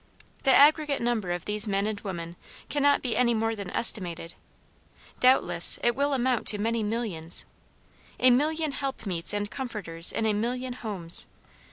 The aggregate number of these men and women cannot be any more than estimated. Doubtless it will amount to many millions. A million helpmeets and comforters in a million homes!